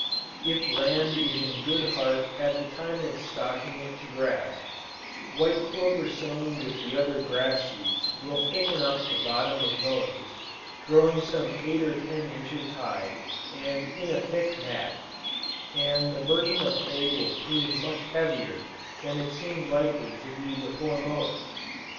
If land is in good heart at the time of stocking it to grass, white clover sown with the other grass seeds will thicken up the bottom of mowings, growing some eight or ten inches high and in a thick mat, and the burden of hay will prove much heavier than it seemed likely to be before mowing.